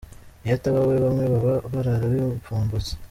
Iyo ataba we, bamwe baba barara bifumbase.